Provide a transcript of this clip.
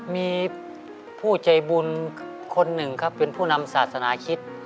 มีผู้ใจบุญคนหนึ่งครับเป็นผู้นำศาสนาคิด